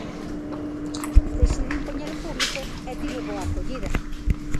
Decidín poñelo en público, e tivo boa acollida.